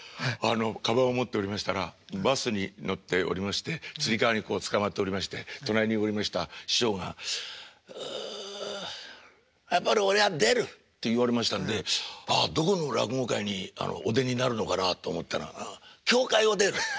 かばんを持っておりましたらバスに乗っておりましてつり革にこうつかまっておりまして隣におりました師匠が「ああやっぱり俺は出る」って言われましたんでああどこの落語会にお出になるのかなと思ったら「協会を出る」。